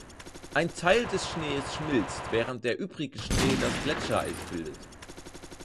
Ein Teil des Schnees schmilzt, während der übrige Schnee das Gletschereis bildet.